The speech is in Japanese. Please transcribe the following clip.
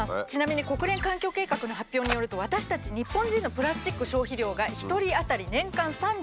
ちなみに国連環境計画の発表によると私たち日本人のプラスチック消費量が１人あたり年間３２ｋｇと。